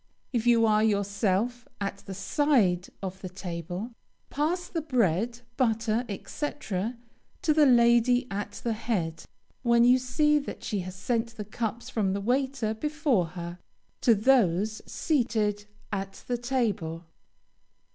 If you are yourself at the side of the table, pass the bread, butter, etc., to the lady at the head, when you see that she has sent the cups from the waiter before her, to those seated at the table.